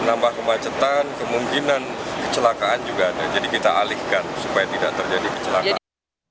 menambah kemacetan kemungkinan kecelakaan juga ada jadi kita alihkan supaya tidak terjadi kecelakaan